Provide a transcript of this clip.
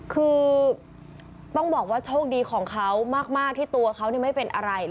คือต้องบอกว่าโชคดีของเขามากที่ตัวเขาไม่เป็นอะไร